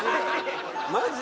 「マジ？